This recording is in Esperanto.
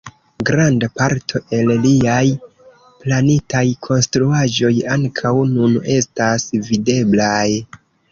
Granda parto el liaj planitaj konstruaĵoj ankaŭ nun estas videblaj.